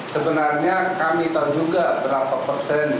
sebenarnya kami tahu juga berapa persen